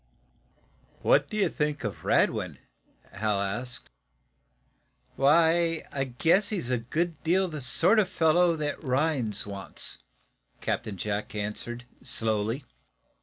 "What do you think of Radwin?" Hal asked. "Why, I guess he's a good deal the sort of fellow that Rhinds wants," Captain Jack answered, slowly.